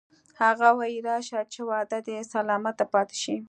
هغه وایی راشه چې وعده دې سلامته پاتې شي